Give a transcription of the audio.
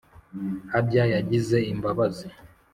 harya yagize imbabazi